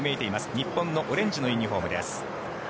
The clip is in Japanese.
日本のオレンジのユニホームです。